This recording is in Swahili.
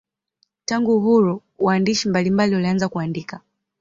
Tangu uhuru waandishi mbalimbali walianza kuandika.